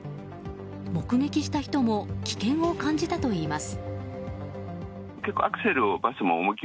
目撃した人も危険を感じたといいます。